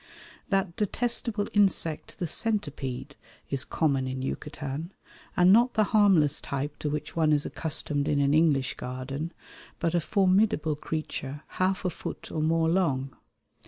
That detestable insect the centipede is common in Yucatan, and not the harmless type to which one is accustomed in an English garden, but a formidable creature half a foot or more long.